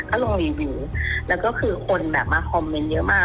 ก็ลงรีวิวแล้วก็คือคนแบบมาคอมเมนต์เยอะมาก